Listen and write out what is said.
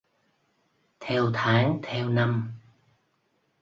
Theo tháng theo năm